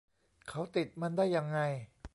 เขาติดมันได้ยังไง